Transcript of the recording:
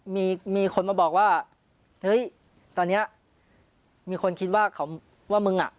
มีมีคนมาบอกว่าเฮ้ยตอนเนี้ยมีคนคิดว่าเขาว่ามึงอ่ะ